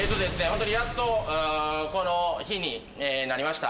ホントにやっとこの日になりました。